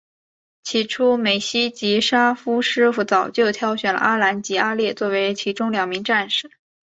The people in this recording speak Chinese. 起初美希及沙夫师傅早就挑选了阿兰及阿烈作为其中两名战士。